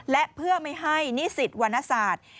และเพื่อไม่ให้นิสิตวรรณศาสตร์